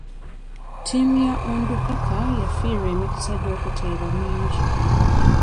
Ttiimu ya Onduparaka yafiirwa emikisa gy'okuteeba mingi.